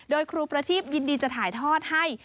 โดยครูประทีบยินดีจะถ่ายทอดให้